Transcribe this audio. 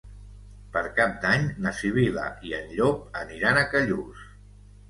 Per Cap d'Any na Sibil·la i en Llop aniran a Callús.